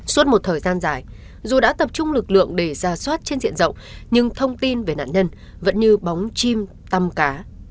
suốt một thời gian dài dù đã tập trung lực lượng để ra soát trên diện rộng nhưng thông tin về nạn nhân vẫn như bóng chim tăm cá